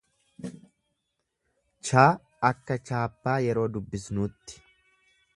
ch akka chaappaa yeroo dubbisnuutti.